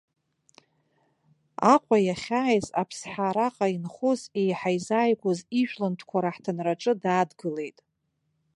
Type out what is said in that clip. Аҟәа иахьааиз аԥсҳа араҟа инхоз, еиҳа изааигәаз ижәлантәқәа раҳҭынраҿы даадгылеит.